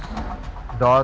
belanja yang lain